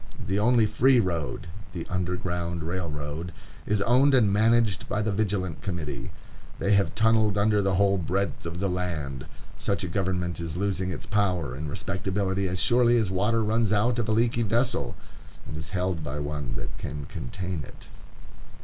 The only free road, the Underground Railroad, is owned and managed by the Vigilant Committee. They have tunnelled under the whole breadth of the land. Such a government is losing its power and respectability as surely as water runs out of a leaky vessel, and is held by one that can contain it.